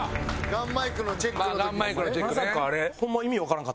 ガンマイクのチェックね。